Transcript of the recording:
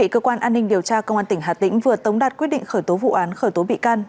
cơ quan an ninh điều tra công an tỉnh hà tĩnh vừa tống đạt quyết định khởi tố vụ án khởi tố bị can